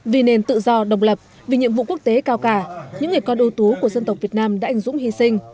vì nền tự do đồng lập vì nhiệm vụ quốc tế cao cả những người con ưu tú của dân tộc việt nam đã ảnh dũng hy sinh